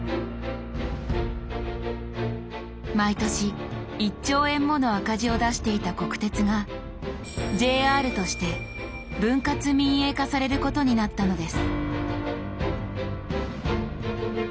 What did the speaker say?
毎年１兆円もの赤字を出していた国鉄がＪＲとして分割民営化されることになったのです。